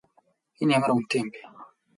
Энэ ямар үнэтэй юм бэ?